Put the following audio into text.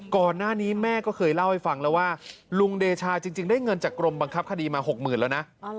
ก่อนหน้านี้แม่ก็เคยเล่าให้ฟังแล้วว่าลุงเดชาจริงได้เงินจากกรมบังคับคดีมา๖๐๐๐แล้วนะ